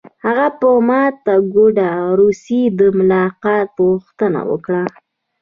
هغه په ماته ګوډه روسي د ملاقات غوښتنه وکړه